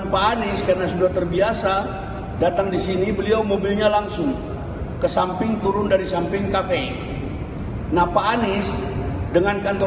bahkan kadang kadang datang tanpa pemberitahuan sehingga melalui jemputan dua tidak ada